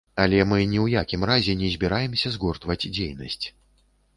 Але мы ні ў якім разе не збіраемся згортваць дзейнасць.